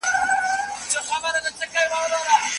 آیا اورېدل تر ویلو ګټور دي؟